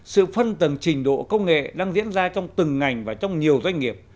sự phân tầng trình độ công nghệ đang diễn ra trong từng ngành và trong nhiều doanh nghiệp